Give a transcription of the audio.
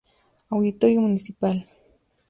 Auditorio Municipal.